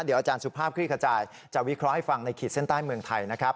เดี๋ยวอาจารย์สุภาพคลี่ขจายจะวิเคราะห์ให้ฟังในขีดเส้นใต้เมืองไทยนะครับ